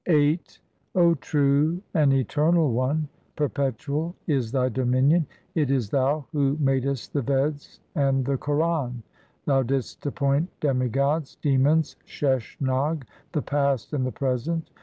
VIII O true and eternal One, perpetual is Thy dominion ; it is Thou who madest the Veds and the Quran. Thou didst appoint demigods, demons, Sheshnag the past and the present.